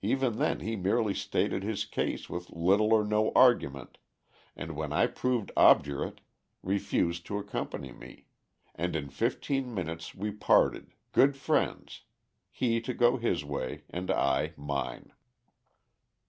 Even then he merely stated his case with little or no argument and when I proved obdurate, refused to accompany me, and in fifteen minutes we parted, good friends, he to go his way and I mine.